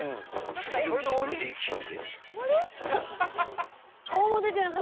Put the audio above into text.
［次の道の駅へ］